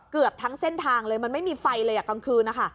เกือบทั้งเส้นทางเลยมันไม่มีไฟเลยตอนคืน